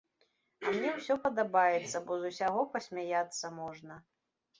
А мне ўсё падабаецца, бо з усяго пасмяяцца можна.